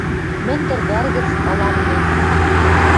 Мӹндӹр вӓр гӹц ылам мӹнь